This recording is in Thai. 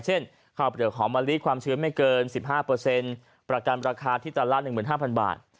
เช่นข้าวเปลือกหอมมะลิความชื้นไม่เกิน๑๕ประกันราคาที่ตันละ๑๕๐๐บาท